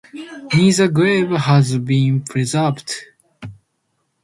Neither grave has been preserved.